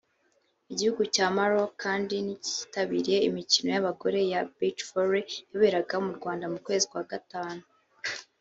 Igihugu cya Maroc kandi nticyitabiriye imikino y’abagore ya Beach volley yaberaga mu Rwanda mu kwezi kwa gatanu